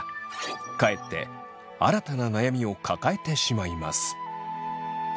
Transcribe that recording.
かえって新たな悩みを抱えてしまいます。